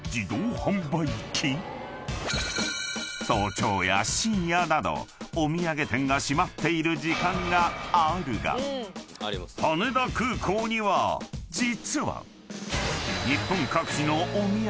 ［早朝や深夜などお土産店が閉まっている時間があるが羽田空港には実は］